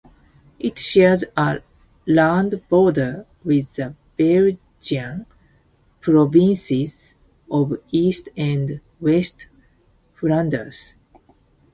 It shares a land border with the Belgian provinces of East and West Flanders.